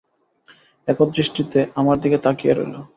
একদৃষ্টিতে আমার দিকে তাকিয়ে রইল।